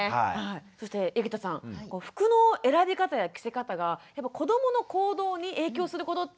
そして井桁さん服の選び方や着せ方が子どもの行動に影響することってあるんですか？